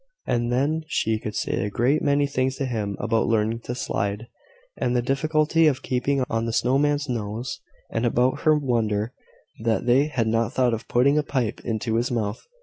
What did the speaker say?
And then she could say a great many things to him about learning to slide, and the difficulty of keeping on the snow man's nose, and about her wonder that they had not thought of putting a pipe into his mouth.